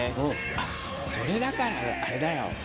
あっそれだからあれだよ。